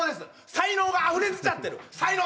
才能があふれ出ちゃってる才能！